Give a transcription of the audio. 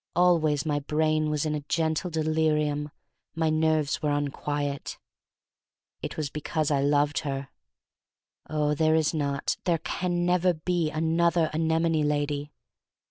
Always my brain was in a gentle delirium. My nerves were unquiet. It was because I love her. Oh, there is not — there can never be — another anemone lady!